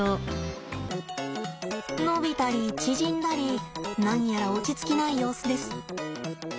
伸びたり縮んだり何やら落ち着きない様子です。